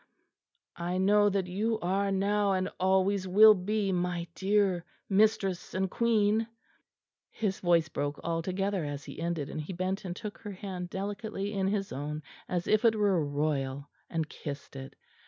"I know that you are now and always will be my dear mistress and queen." His voice broke altogether as he ended, and he bent and took her hand delicately in his own, as if it were royal, and kissed it.